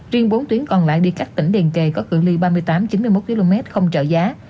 riêng bốn tuyến còn lại đi cách tỉnh điền kề có cự li ba mươi tám chín mươi một km không trợ giá